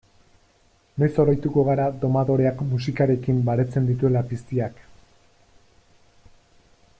Noiz oroituko gara domadoreak musikarekin baretzen dituela piztiak?